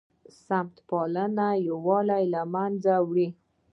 سمت پالنه یووالی له منځه وړي